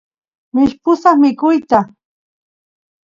mishpusaq mikuyta